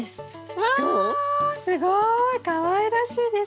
わこれはすごくかわいらしいです。